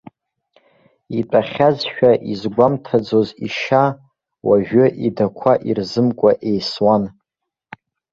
Итәахьазшәа изгәамҭаӡоз ишьа, уажәы идақәа ирзымкуа еисуан.